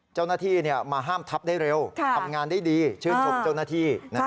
เจ้าหน้าที่มาห้ามทับได้เร็วทำงานได้ดีชื่นชมเจ้าหน้าที่